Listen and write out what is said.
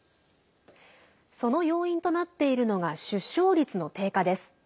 その要因となっているのが出生率の低下です。